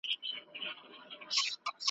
د ده په اشعارو کي پروت دی `